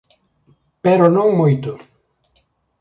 Pero non moito.